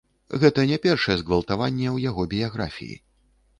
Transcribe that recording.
Гэта не першае згвалтаванне ў яго біяграфіі.